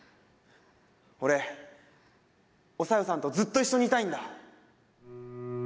俺お小夜さんとずっと一緒にいたいんだ。